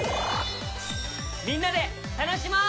みんなでたのしもう！